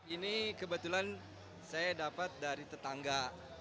ini kebetulan saya dapat dari tetangga